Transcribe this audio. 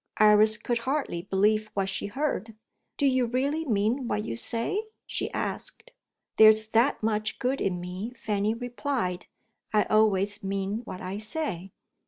Iris could hardly believe what she heard. "Do you really mean what you say?" she asked. "There's that much good in me," Fanny replied; "I always mean what I say."